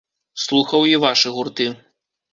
Слухаў і вашы гурты.